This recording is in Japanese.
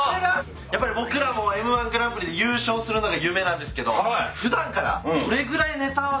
やっぱり僕らもＭ−１グランプリで優勝するのが夢なんですけど普段からどれぐらいネタ合わせしてるのかなっていう。